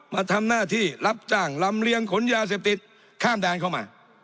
มาทำหน้าที่รับจ้างลำเลียงขนยาเสพติดข้ามแดนเข้ามา